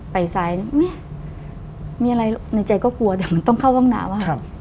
ไปซ้ายมีอะไรในใจก็กลัวแต่มันต้องเข้าห้องน้ำ